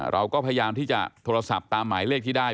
เราก็พยายามที่จะโทรศัพท์ตามหมายเลขที่ได้